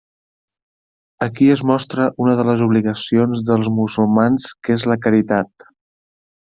Aquí es mostra una de les obligacions dels musulmans que és la caritat.